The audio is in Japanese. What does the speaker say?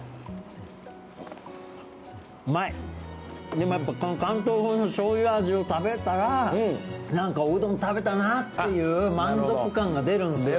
でもやっぱこの関東風の醤油味を食べたらなんかおうどん食べたなっていう満足感が出るんですよ。